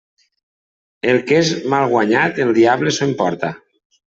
El que és mal guanyat, el diable s'ho emporta.